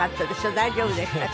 大丈夫でしたか？